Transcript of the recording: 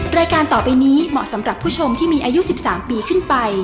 รายการต่อไปนี้เหมาะสำหรับผู้ชมที่มีอายุ๑๓ปีขึ้นไป